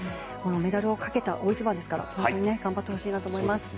メダルをかけた大一番ですから本当に頑張ってほしいなと思います。